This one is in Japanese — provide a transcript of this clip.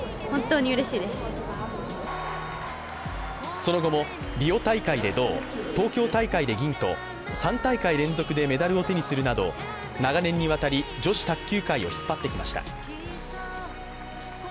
その後もリオ大会で銅、東京大会で銀と３大会連続でメダルを手にするなど長年にわたり、女子卓球界を引っ張ってきました。